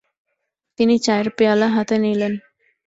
তিনি চায়ের পেয়ালা হাতে নিলেন।